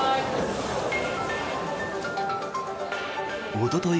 おととい